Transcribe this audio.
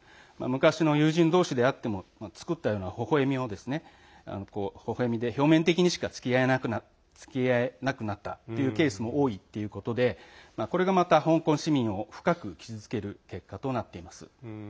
昔の友人同士であっても作ったようなほほえみで表面的にしかつきあえなくなったというケースも多いということで香港市民を深く傷つける結果となっています。